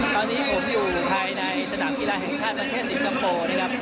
ตอนนี้ผมอยู่ภายในสนามกีฬาแห่งชาติประเทศสิงคโปร์นะครับ